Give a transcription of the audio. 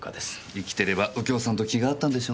生きてれば右京さんと気が合ったんでしょうね。